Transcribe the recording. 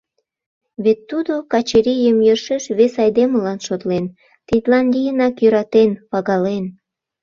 Вет тудо Качырийым йӧршеш вес айдемылан шотлен, тидлан лийынак йӧратен, пагален.